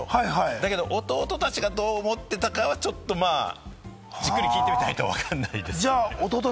だけど、弟たちがどう思ってたかはちょっと、じっくり聞いてみないとわかんないです。